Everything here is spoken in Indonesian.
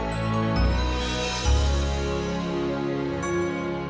terima kasih banyak hari dan selamat berbicara